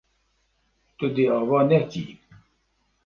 Tu dê ava nekî.